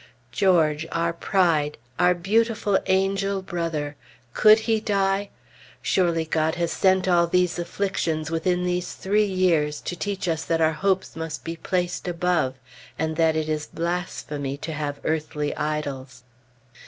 George! our pride! our beautiful, angel brother! Could he die? Surely God has sent all these afflictions within these three years to teach us that our hopes must be placed Above, and that it is blasphemy to have earthly idols!